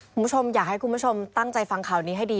คุณผู้ชมอยากให้คุณผู้ชมตั้งใจฟังข่าวนี้ให้ดี